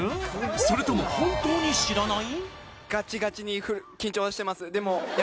それとも本当に知らない？